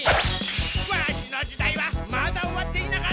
ワシの時代はまだ終わっていなかった！